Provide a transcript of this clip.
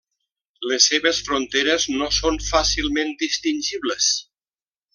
Les seves fronteres no són fàcilment distingibles.